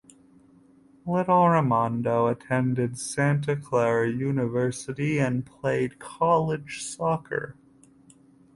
Little Rimando attended Santa Clara University and played college soccer.